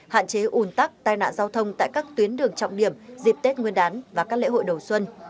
hạn chế ủn tắc tai nạn giao thông tại các tuyến đường trọng điểm dịp tết nguyên đán và các lễ hội đầu xuân